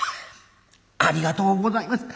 ありがとうございます」。